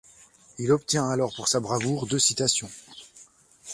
Il obtient alors pour sa bravoure deux citations.